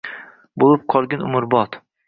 Bo’lib qolgin umrbod.